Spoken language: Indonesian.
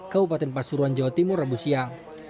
kabupaten pasuruan jawa timur rabu siang